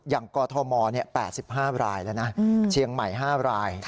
กอทม๘๕รายแล้วนะเชียงใหม่๕ราย